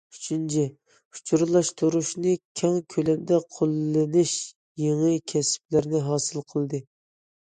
ئۈچىنچى، ئۇچۇرلاشتۇرۇشنى كەڭ كۆلەمدە قوللىنىش يېڭى كەسىپلەرنى ھاسىل قىلدى.